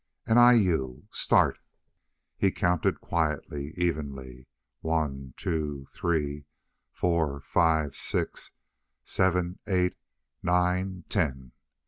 "And I you. Start." He counted quietly, evenly: "One, two, three, four, five, six, seven, eight, nine ten!"